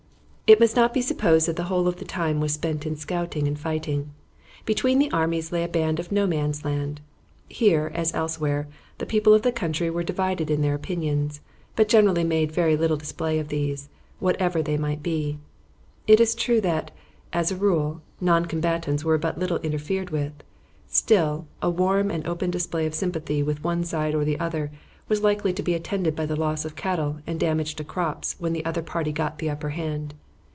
It must not be supposed that the whole of the time was spent in scouting and fighting. Between the armies lay a band of no man's land. Here, as elsewhere, the people of the country were divided in their opinions, but generally made very little display of these, whatever they might be. It is true that, as a rule, non combatants were but little interfered with; still, a warm and open display of sympathy with one side or the other was likely to be attended by the loss of cattle and damage to crops when the other party got the upper hand.